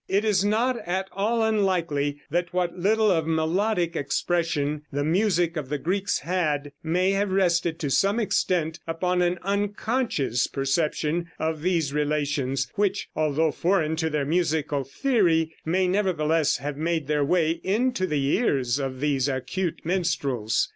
It is not at all unlikely that what little of melodic expression the music of the Greeks had, may have rested to some extent upon an unconscious perception of these relations, which, although foreign to their musical theory, may nevertheless have made their way into the ears of these acute minstrels.